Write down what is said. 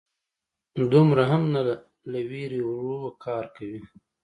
_دومره هم نه، له وېرې ورو کار کوي.